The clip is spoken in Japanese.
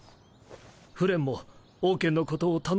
フレンもオウケンのことを頼みますね。